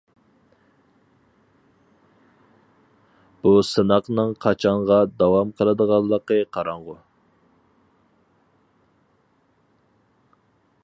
بۇ سىناقنىڭ قاچانغا داۋام قىلىدىغانلىقى قاراڭغۇ!